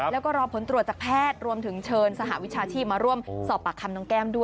แล้วก็รอผลตรวจจากแพทย์รวมถึงเชิญสหวิชาชีพมาร่วมสอบปากคำน้องแก้มด้วย